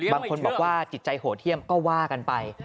บางคนบอกว่าจิตใจโหดเที่ยมก็ว่ากันไป